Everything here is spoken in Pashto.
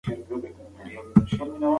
لمر د ځمکې د تودوخې انډول ساتي.